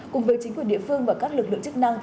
cùng với chính quyền địa phương và các lực lượng chức năng